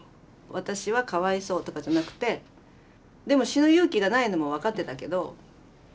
私はかわいそうとかじゃなくてでも死ぬ勇気がないのも分かってたけど。